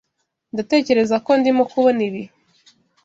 Ndatekereza ko ndimo kubona ibi.